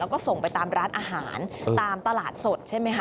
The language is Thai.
แล้วก็ส่งไปตามร้านอาหารตามตลาดสดใช่ไหมคะ